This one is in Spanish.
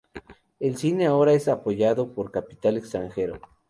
El cine ahora es apoyado por capital extranjero.